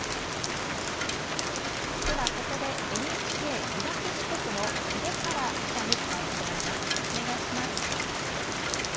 ではここでＮＨＫいわき支局の出原記者に伝えてもらいます。